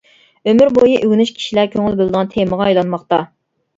ئۆمۈر بويى ئۆگىنىش كىشىلەر كۆڭۈل بۆلىدىغان تېمىغا ئايلانماقتا.